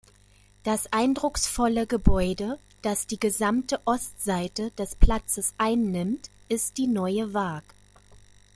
Das eindrucksvolle Gebäude, das die gesamte Ostseite des Platzes einnimmt, ist die Neue Waag.